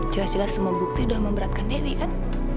jelas jelas semua bukti sudah memberatkan dewi kan